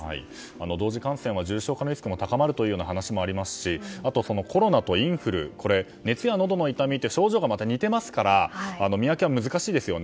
同時感染は重症化のリスクも高まる話もありますしあとはコロナとインフル熱や、のどの痛みと症状が似ていますから見分けは難しいですよね。